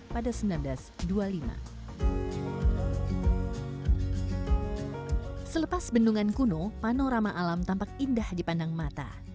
panorama alam tampak indah di pandang mata